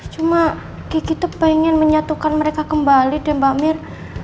cuma gigi itu pengen menyatukan mereka kembali deh mbak mir